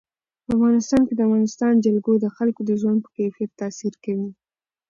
په افغانستان کې د افغانستان جلکو د خلکو د ژوند په کیفیت تاثیر کوي.